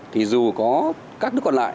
thì dù có các nước còn lại